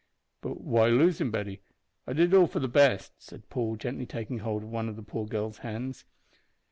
"But why lose him, Betty? I did it all for the best," said Paul, gently taking hold of one of the poor girl's hands.